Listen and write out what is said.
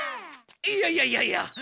いやいやいやいや。